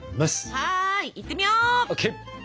はいいってみよう！ＯＫ！